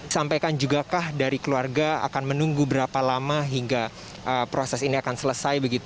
sampaikan jugakah dari keluarga akan menunggu berapa lama hingga proses ini akan selesai